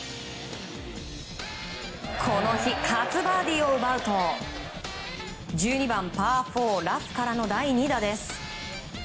この日、初バーディーを奪うと１２番、パー４ラフからの第２打です。